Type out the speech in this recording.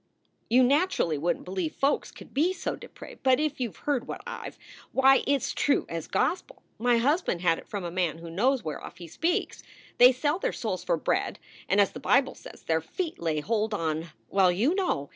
You naturally wouldn t believe folks could be so depraved, but if you d heard what I ve Why, it s true as gospel ! My husband had it from a man who knows whereoff he speaks. They sell their souls for bread, and, as the Bible says, their feet lay hold on well, you know.